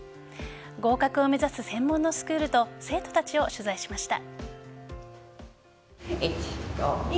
合格を目指す専門のスクールと生徒たちを取材しました。